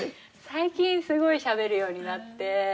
最近すごいしゃべるようになって。